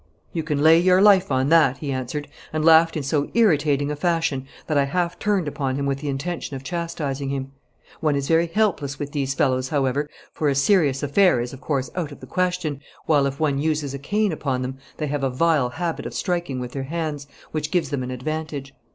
'You can lay your life on that!' he answered, and laughed in so irritating a fashion that I half turned upon him with the intention of chastising him. One is very helpless with these fellows, however, for a serious affair is of course out of the question, while if one uses a cane upon them they have a vile habit of striking with their hands, which gives them an advantage.